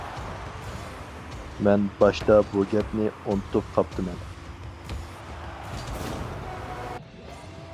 مەن باشتا بۇ گەپنى ئۇنتۇپ قاپتىمەن.